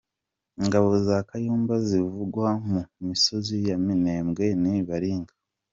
Ingabo za Kayumba zivugwa mu misozi ya Minembwe ni baringa